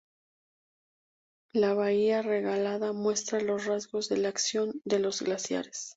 La bahía Relegada muestra los rasgos de la acción de los glaciares.